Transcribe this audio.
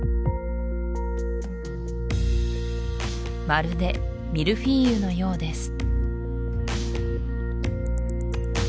まるでミルフィーユのようです